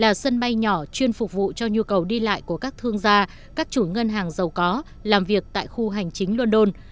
là sân bay nhỏ chuyên phục vụ cho nhu cầu đi lại của các thương gia các chủ ngân hàng giàu có làm việc tại khu hành chính london